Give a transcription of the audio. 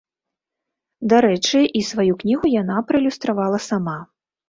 Дарэчы, і сваю кнігу яна праілюстравала сама.